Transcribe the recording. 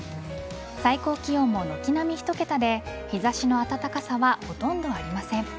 最高気温も、軒並み１桁で日差しの暖かさはほとんどありません。